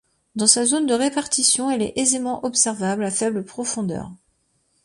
Dans sa zone de répartition, elle est aisément observable à faible profondeur.